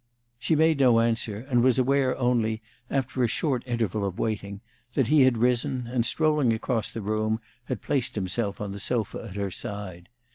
She made no answer, and was aware only, after a short interval of waiting, that he had risen, and strolling across the room, had placed himself on the sofa at her side.